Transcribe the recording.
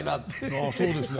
ああそうですね